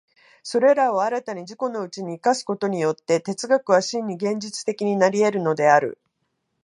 それらを新たに自己のうちに生かすことによって、哲学は真に現実的になり得るのである。